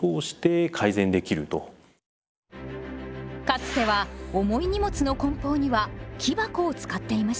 かつては重い荷物の梱包には木箱を使っていました。